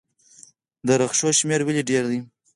د ریکشاوو شمیر ولې ډیر دی؟